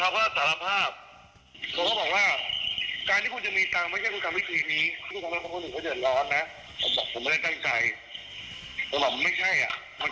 เว็ดทาร์ฟเจอหน้าเขาเขาว่าสารภาพ